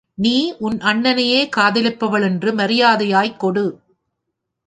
நீ உன் அண்ணனையே காதலிப்பவளென்று மரியாதையாய்க் கொடு.